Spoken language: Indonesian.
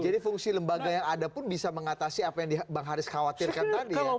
jadi fungsi lembaga yang ada pun bisa mengatasi apa yang bang haris khawatirkan tadi ya